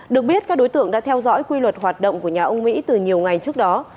được biết các đối tượng đã theo dõi quy luật hoạt động của nhà ông mỹ từ nhiều ngày trước đó